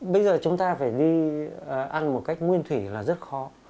bây giờ chúng ta phải đi ăn một cách nguyên thủy là rất khó